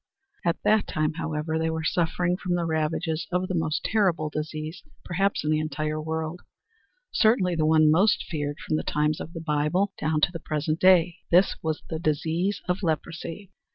At that time, however, they were suffering from the ravages of the most terrible disease, perhaps, in the entire world, certainly the one most feared from the times of the Bible down to the present day. This was the disease of leprosy.